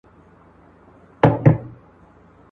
پیدایښت د شیانو د دوه حالاتو پایله ده.